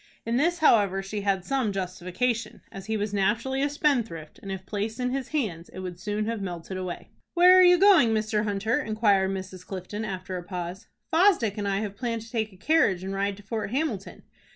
In this, however, she had some justification, as he was naturally a spendthrift, and, if placed in his hands, it would soon have melted away. "Where are you going, Mr. Hunter?" inquired Mrs. Clifton, after a pause. "Fosdick and I have planned to take a carriage and ride to Fort Hamilton."